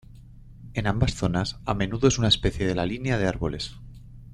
En ambas zonas, a menudo es una especie de la línea de árboles.